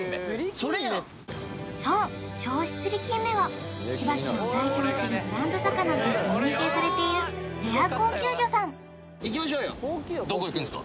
それやんそう銚子つりきんめは千葉県を代表するブランド魚として認定されているレア高級魚さんどこ行くんすか？